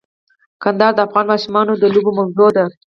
کندهار د افغان ماشومانو د لوبو موضوع ده.